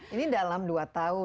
ini dalam dua tahun